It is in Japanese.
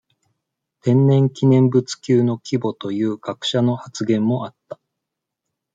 天然記念物級の規模という学者の発言もあった。